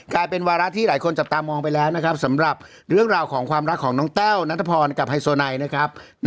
กลายเป็นวาระที่หลายคนจับตามองไปแล้วนะครับสำหรับเรื่องราวของความรักของน้องแต้วนัทพรกับไฮโซไนนะครับ